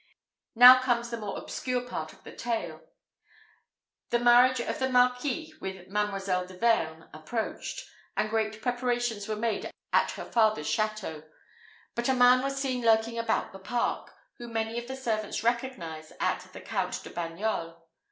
Now comes the more obscure part of the tale. The marriage of the Marquis with Mademoiselle de Vergne approached, and great preparations were made at her father's château; but a man was seen lurking about the park, whom many of the servants recognised as the Count de Bagnols.